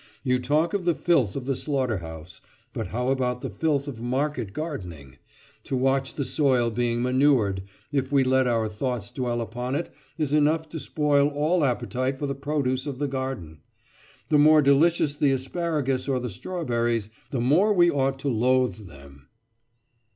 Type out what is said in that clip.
You talk of the filth of the slaughter house; but how about the filth of market gardening? To watch the soil being manured, if we let our thoughts dwell upon it, is enough to spoil all appetite for the produce of the garden. The more delicious the asparagus or the strawberries, the more we ought to loathe them.